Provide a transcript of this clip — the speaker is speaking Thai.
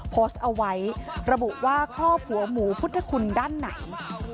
โพสต์เอาไว้ระบุว่าครอบหัวหมูพุทธคุณด้านไหน